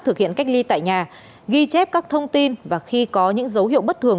thực hiện cách ly tại nhà ghi chép các thông tin và khi có những dấu hiệu bất thường